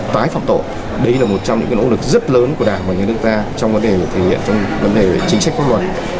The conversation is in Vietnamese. đó là một trong những nỗ lực rất lớn của đảng và người nước ta trong vấn đề chính sách pháp luật